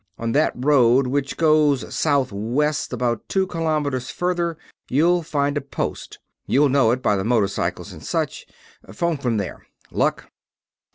On that road, which goes south west, about two kilometers further, you'll find a Post you'll know it by the motorcycles and such. Phone from there. Luck!"